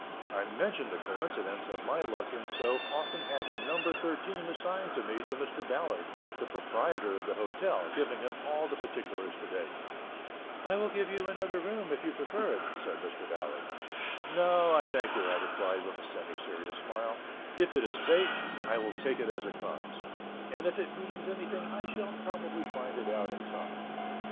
I mentioned the coincidence of my luck in so often having "number thirteen" assigned to me to Mr. Ballard, the proprietor of the hotel, giving him all the particulars to date. "I will give you another room if you prefer it," said Mr. Ballard. "No, I thank you," I replied with a semi serious smile; "If it is fate, I will take it as it comes; and if it means anything I shall probably find it out in time."